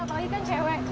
apalagi kan cewek